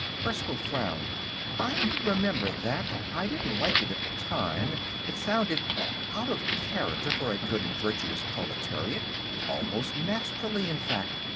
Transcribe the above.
'" Erskyll frowned. "I remember that. I didn't like it, at the time. It sounded...." Out of character, for a good and virtuous proletarian; almost Masterly, in fact.